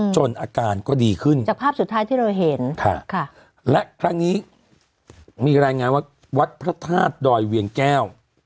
จนอาการก็ดีขึ้นค่ะและครั้งนี้มีรายงานว่าวัดพระธาตุดอยเวียงแก้ว